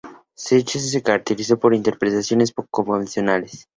Scherchen se caracterizó por interpretaciones poco convencionales.